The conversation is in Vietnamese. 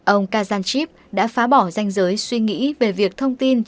ông kazanchiv đã phá bỏ danh giới suy nghĩ về việc thông tin